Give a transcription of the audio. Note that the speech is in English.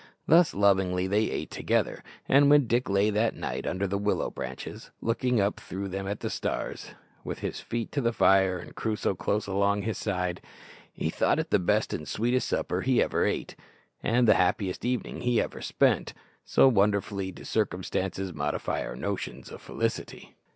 Thus lovingly they ate together; and when Dick lay that night under the willow branches, looking up through them at the stars, with his feet to the fire and Crusoe close along his side, he thought it the best and sweetest supper he ever ate, and the happiest evening he ever spent so wonderfully do circumstances modify our notions of felicity.